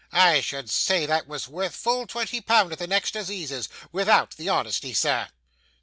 I should say that was worth full twenty pound at the next assizes, without the honesty, sir.